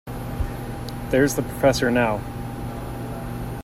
There's the professor now.